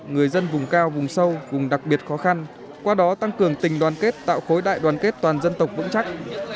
người dân vùng cao vùng sâu vùng đặc biệt khó khăn qua đó tăng cường tình đoàn kết tạo khối đại đoàn kết toàn dân tộc vững chắc